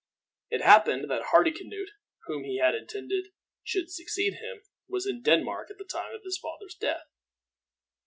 It happened that Hardicanute, whom he had intended should succeed him, was in Denmark at the time of his father's death.